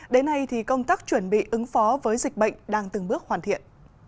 đến nay thì công tác chuẩn bị ứng phó với dịch bệnh đang từng bước hoàn thiện